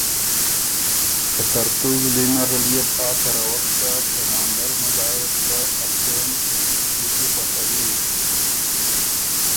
که ترتُو زلی نرل يې بو آ تروک سۀ که ناندر ملا يې بو که ا څېن بی کی خوَشوی